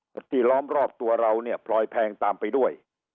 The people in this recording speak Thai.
ที่ล้อมรอบตัวเราเนี่ยพลอยแพงตามไปด้วย